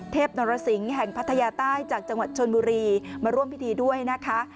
นรสิงศ์แห่งพัทยาใต้จากจังหวัดชนบุรีมาร่วมพิธีด้วยนะคะ